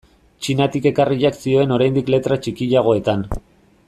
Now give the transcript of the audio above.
Txinatik ekarriak zioen oraindik letra txikiagoetan.